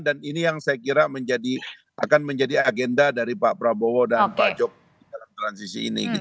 dan ini yang saya kira akan menjadi agenda dari pak prabowo dan pak jokowi dalam transisi ini